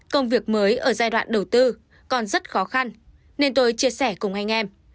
công việc mới ở giai đoạn đầu tư còn rất khó khăn nên tôi chia sẻ cùng anh em